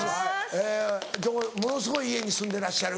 えものすごい家に住んでらっしゃる。